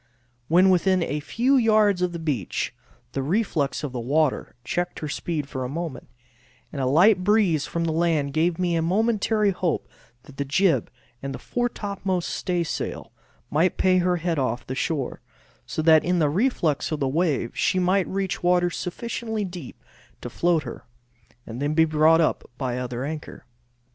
When within a few yards of the beach, the reflux of the water checked her speed for a moment, and a light breeze from the land gave me a momentary hope that the jib and foretopmost staysail might pay her head off shore, so that in the reflux of the wave she might reach waters sufficiently deep to float her, and then be brought up by the other anchor.